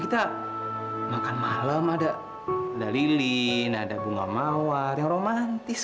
kita makan malam ada lilin ada bunga mawar yang romantis